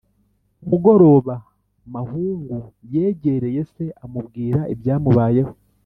Ku mugoroba mahungu yegereye se amubwira ibyamubayeho